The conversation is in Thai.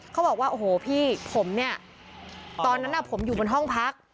เขาบอกว่าโอ้โหพี่ผมเนี่ยตอนนั้นผมอยู่บนห้องพัก